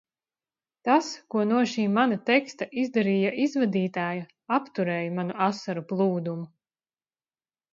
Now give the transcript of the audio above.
Tas, ko no šī mana teksta izdarīja izvadītāja, apturēja manu asaru plūdumu.